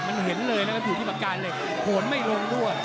มันเห็นเลยนะครับอยู่ที่ปากกาเหล็กโหนไม่ลงด้วย